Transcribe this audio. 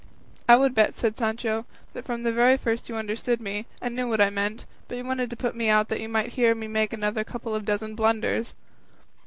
"I would bet," said Sancho, "that from the very first you understood me, and knew what I meant, but you wanted to put me out that you might hear me make another couple of dozen blunders."